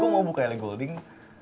gue mau buka eli golding